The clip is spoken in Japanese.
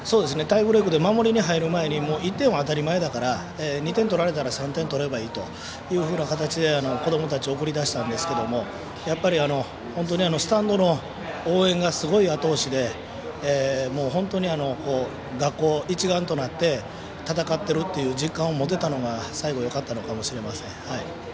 タイブレークで守りに入る前に１点は当たり前だから２点取られたら３点取ればいいというふうな形で子どもたちを送り出したんですけどやっぱり本当にスタンドの応援がすごいあと押しで本当に学校一丸となって戦ってるという実感を持てたのが最後、よかったのかもしれません。